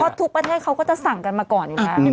เพราะทุกประเทศเขาก็จะสั่งกันมาก่อนอยู่แล้ว